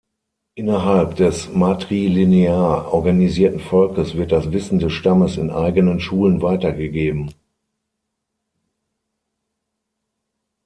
Innerhalb des matrilinear organisierten Volkes wird das Wissen des Stammes in eigenen Schulen weitergegeben.